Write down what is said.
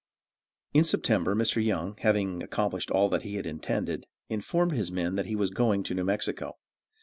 In September, Mr. Young, having accomplished all that he had intended, informed his men that he was going to New Mexico.